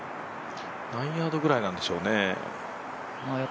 何ヤードくらいなんでしょうね。